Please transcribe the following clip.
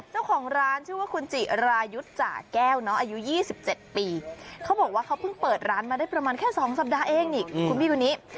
เจ้าของร้านชื่อว่าคุณจิรายุทธ์จ่าแก้วอายุ๒๗ปีเขาบอกว่าเขาเพิ่งเปิดร้านมาได้ประมาณแค่๒สัปดาห์เองนี่คุณพี่คนนี้